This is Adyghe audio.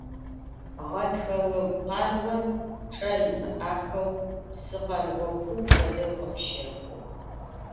Ğetxe vogu kharğor çç'e yimı'axeu psı kherğo kuu fedeu khıpşexhu.